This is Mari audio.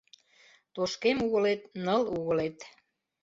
Тошкем угылет — ныл угылет